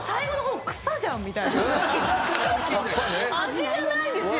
味がないんですよ。